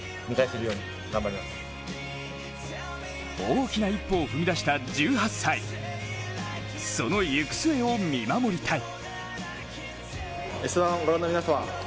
大きな一歩を踏み出した１８歳その行く末を見守りたい。